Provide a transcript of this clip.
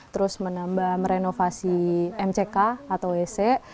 terus menambah merenovasi mck atau wc